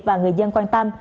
và người dân quan tâm